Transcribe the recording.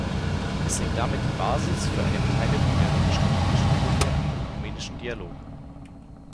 Es legt damit die Basis für eine Beteiligung der römisch-katholischen Kirche am ökumenischen Dialog.